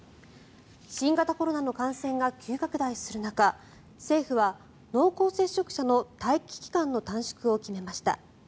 新型コロナの感染が急拡大する中政府は濃厚接触者の待機期間の短縮を決めました。